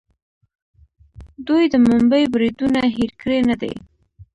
دوی د ممبۍ بریدونه هیر کړي نه دي.